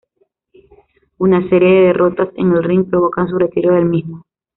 Una serie de derrotas en el ring provocan su retiro del mismo.